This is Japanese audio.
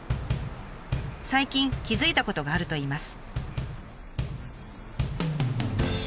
最近気付いたことがあるといいます。